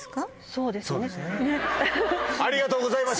そうですね。